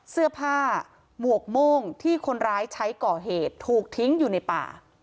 เสื้อผ้าหมวกโม่งที่คนร้ายใช้ก่อเหตุถูกทิ้งอยู่ในป่า